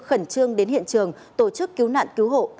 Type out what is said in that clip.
khẩn trương đến hiện trường tổ chức cứu nạn cứu hộ